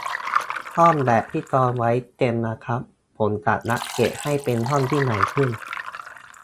ห้องแบบที่จองไว้เต็มนะครับ ผมจะอัปเกรดให้เป็นห้องที่ใหญ่ขึ้น